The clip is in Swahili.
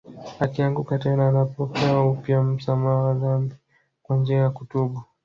Akianguka tena anapokea upya msamaha wa dhambi kwa njia ya kutubu